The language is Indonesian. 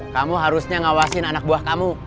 kamu harusnya ngawasin anak buah kamu